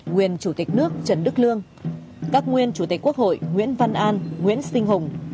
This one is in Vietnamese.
nguyên chủ tịch nước trần đức lương các nguyên chủ tịch quốc hội nguyễn văn an nguyễn sinh hùng